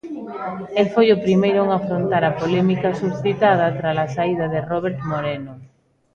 El foi o primeiro en afrontar a polémica suscitada trala saída de Robert Moreno.